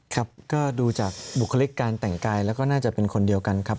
ครับก็ดูจากบุคลิกการแต่งกายแล้วก็น่าจะเป็นคนเดียวกันครับ